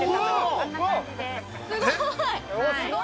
◆すごい。